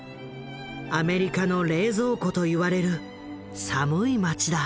「アメリカの冷蔵庫」と言われる寒い町だ。